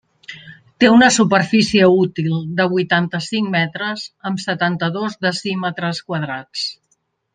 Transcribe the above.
Té una superfície útil de vuitanta-cinc metres amb setanta-dos decímetres quadrats.